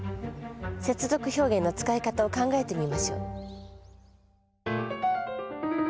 接続表現の使い方を考えてみましょう。